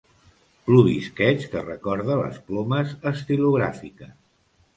Plovisqueig que recorda les plomes estilogràfiques.